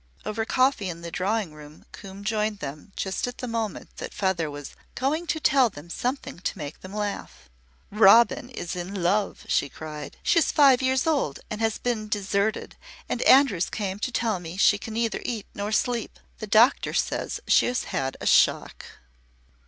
Over coffee in the drawing room Coombe joined them just at the moment that Feather was "going to tell them something to make them laugh." "Robin is in love!" she cried. "She is five years old and she has been deserted and Andrews came to tell me she can neither eat nor sleep. The doctor says she has had a shock."